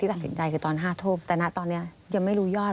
ตัดสินใจคือตอน๕ทุ่มแต่นะตอนนี้ยังไม่รู้ยอด